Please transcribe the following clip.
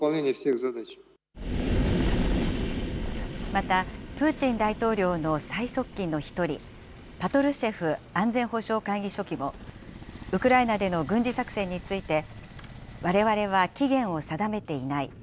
また、プーチン大統領の最側近の一人、パトルシェフ安全保障会議書記も、ウクライナでの軍事作戦について、われわれは期限を定めていない。